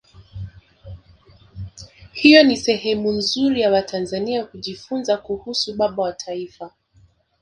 hiyo ni sehemu nzuri ya watanzania kujifunza kuhusu baba wa taifa